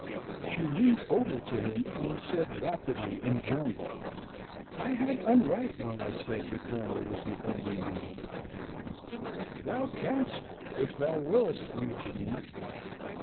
She leaned over to him and said rapidly in German, "I had unright when I said the Colonel was the only man of the family. Thou canst, if thou willest, Eugene."